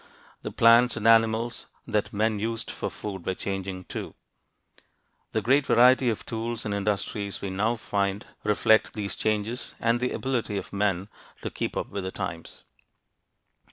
The plants and animals that men used for food were changing, too. The great variety of tools and industries we now find reflect these changes and the ability of men to keep up with the times.